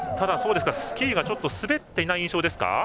スキーがちょっと滑っていない印象ですか。